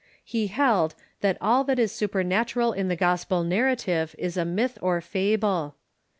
He held, that all that is supernatural in the gospel narrative is a myth or fable.